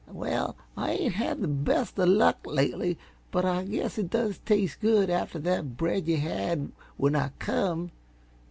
"Well, I ain't had the best uh luck, lately, but I guess it does taste good after that bread yuh had when I come.